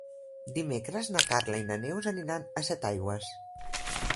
Dimecres na Carla i na Neus aniran a Setaigües.